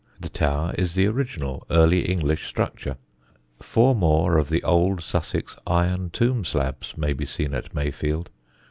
The tower is the original Early English structure. Four more of the old Sussex iron tomb slabs may be seen at Mayfield.